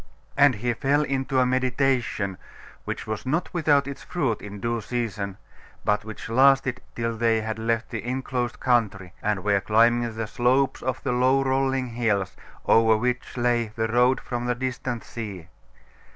And he fell into a meditation which was not without its fruit in due season, but which lasted till they had left the enclosed country, and were climbing the slopes of the low rolling hills, over which lay the road from the distant sea.